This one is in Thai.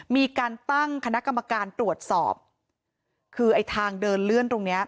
มีการตั้งคณะกรรมการตรวจสอบคือไอ้ทางเดินเลื่อนตรงเนี้ย